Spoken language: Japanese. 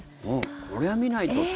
これは見ないとって。